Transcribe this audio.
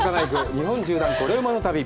日本縦断コレうまの旅」。